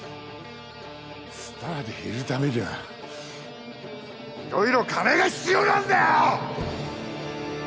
スターでいるためにはいろいろ金が必要なんだよ！